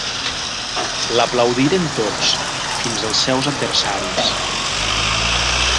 L'aplaudiren tots, fins els seus adversaris.